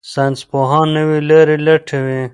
ساينسپوهان نوې لارې لټوي.